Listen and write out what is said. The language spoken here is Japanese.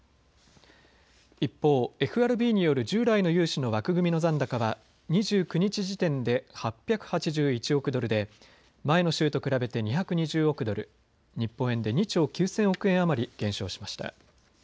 一方、ＦＲＢによる従来の融資の枠組みの残高は２９日時点で８８１億ドルで前の週と比べて２２０億ドル、日本円で２兆９０００億円余り減少しました。